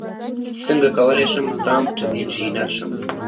څنګه کولی شم پرامپټ انژینر شم